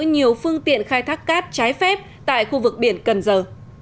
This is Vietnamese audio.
nhiều phương tiện khai thác cát trái phép tại khu vực biển cần giờ